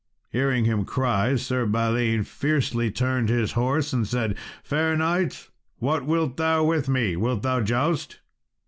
Hearing him cry, Sir Balin fiercely turned his horse, and said, "Fair knight, what wilt thou with me? wilt thou joust?"